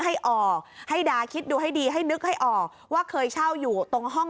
ให้ออกให้ดาคิดดูให้ดีให้นึกให้ออกว่าเคยเช่าอยู่ตรงห้อง